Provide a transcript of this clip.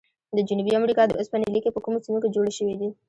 د جنوبي امریکا د اوسپنې لیکي په کومو سیمو کې جوړې شوي دي؟